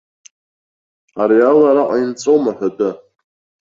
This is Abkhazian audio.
Ари ала араҟа инҵәом аҳәатәы.